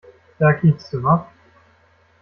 Da kiekste wa?